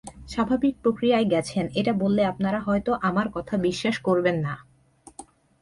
স্বাভাবিক প্রক্রিয়ায় গেছেন এটা বললে আপনারা হয়তো আমার কথা বিশ্বাস করবেন না।